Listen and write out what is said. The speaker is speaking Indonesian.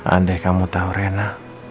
andai kamu tau rena